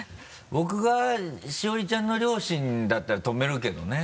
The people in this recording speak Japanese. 僕がしおりちゃんの両親だったら止めるけどね。